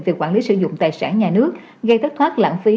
về quản lý sử dụng tài sản nhà nước gây thất thoát lãng phí